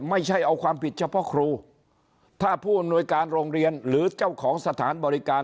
ไม่ใช่เอาความผิดเฉพาะครูถ้าผู้อำนวยการโรงเรียนหรือเจ้าของสถานบริการ